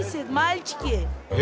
え！